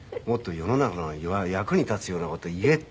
「もっと世の中の役に立つような事言え」